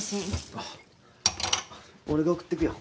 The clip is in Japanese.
あっ俺が送っていくよ。